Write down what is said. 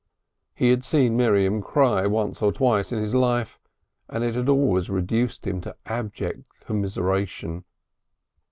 He had seen Miriam cry once or twice in his life, and it had always reduced him to abject commiseration.